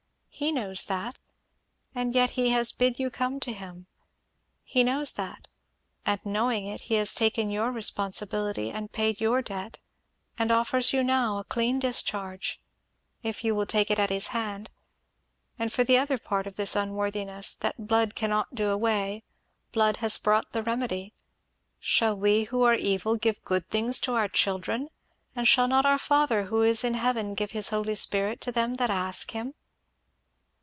"He knows that, and yet he has bid you come to him. He knows that, and knowing it, he has taken your responsibility and paid your debt, and offers you now a clean discharge, if you will take it at his hand; and for the other part of this unworthiness, that blood cannot do away, blood has brought the remedy 'Shall we who are evil give good things to our children, and shall not our Father which is in heaven give his Holy Spirit to them that ask him?'"